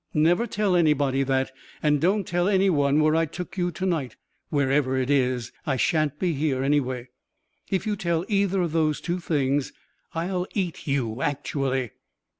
Never tell anybody that. And don't tell anyone where I took you to night wherever it is. I shan't be here anyway. If you tell either of those two things, I'll eat you. Actually.